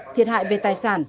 thiệt hại về tài sản